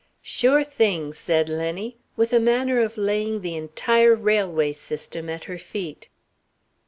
"Sure thing," said Lenny, with a manner of laying the entire railway system at her feet.